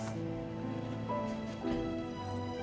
tapi saya beli kue dimana nyonya